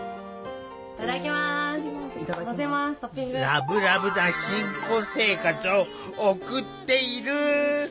ラブラブな新婚生活を送っている！